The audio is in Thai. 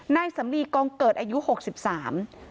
นายสำลีกองเกิดอายุหกสิบสาม